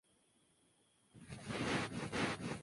Fue aislado por primera vez de las heces de caballos y cerdos.